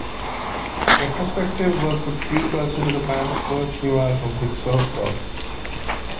The retrospective was the precursor to the band's first new album with Surfdog.